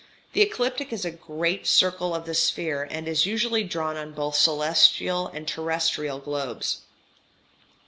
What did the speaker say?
The ecliptic is a great circle of the sphere, and is usually drawn on both celestial and terrestrial globes.